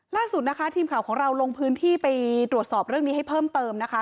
ล่าสุดนะคะทีมข่าวของเราลงพื้นที่ไปตรวจสอบเรื่องนี้ให้เพิ่มเติมนะคะ